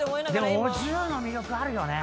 でもお重の魅力あるよね。